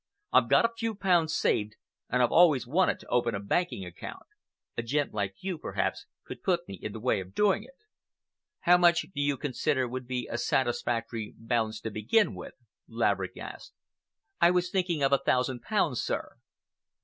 I've got a few pounds saved and I've always wanted to open a banking account. A gent like you, perhaps, could put me in the way of doing it." "How much do you consider would be a satisfactory balance to commence with?" Laverick asked. "I was thinking of a thousand pounds, sir."